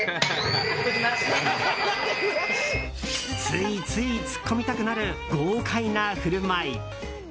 ついついツッコみたくなる豪快な振る舞い。